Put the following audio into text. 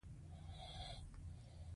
اوس د چا په نوم صادریږي؟